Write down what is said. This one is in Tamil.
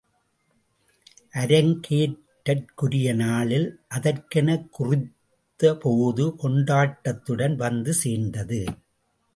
அரங்கேற்றற்குரிய நாளில் அதற்கெனக் குறித்த போது கொண்டாட்டத்துடன் வந்து சேர்ந்தது.